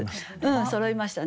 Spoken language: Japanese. そろいましたね。